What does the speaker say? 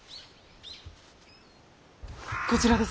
こちらです。